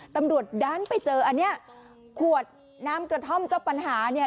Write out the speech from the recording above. ตำรวจดันไปเจออันเนี้ยขวดน้ำกระท่อมเจ้าปัญหาเนี่ย